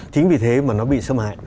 chính vì thế mà nó bị xâm hại